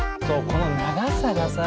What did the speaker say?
この長さがさ。